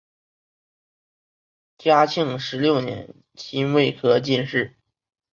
嘉庆十六年辛未科进士。